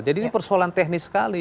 jadi ini persoalan teknis sekali